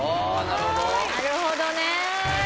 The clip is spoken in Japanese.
なるほどね。